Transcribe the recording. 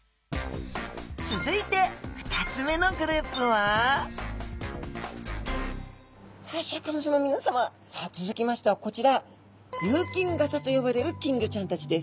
続いて２つ目のグループはさあシャーク香音さまみなさま続きましてはこちら琉金型と呼ばれる金魚ちゃんたちです。